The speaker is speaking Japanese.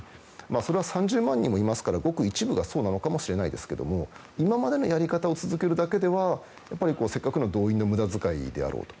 それは３０万人もいますからごく一部がそうなのかもしれないですけど今までのやり方を続けるだけではやっぱり、せっかくの動員の無駄遣いであろうと。